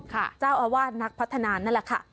เจ้าอาวาสนักพัฒนานั่นแหละค่ะ